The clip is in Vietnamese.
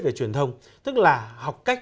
về truyền thông tức là học cách